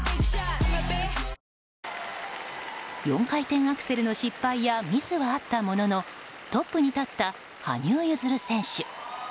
４回転アクセルの失敗やミスはあったもののトップに立った羽生結弦選手。